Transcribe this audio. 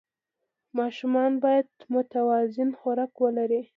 ماشومان باید متوازن خوراک ولري.